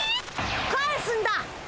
返すんだ！